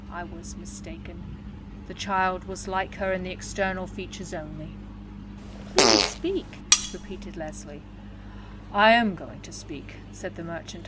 I was mistaken. The child was like her in the external features only." "Please speak," repeated Leslie. "I am going to speak," said the merchant.